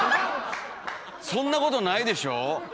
そんなことないでしょう？